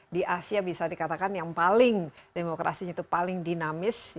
di asia bisa dikatakan yang paling demokrasinya itu paling dinamis